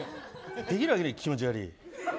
できるわけねえよ、気持ち悪い。